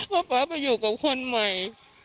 ว่าป๊าไปอยู่กับคนใหม่